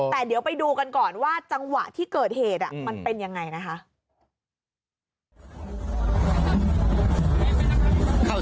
แต่เดี๋ยวไปดูกันก่อนว่าจังหวะที่เกิดเหตุมันเป็นยังไงนะคะ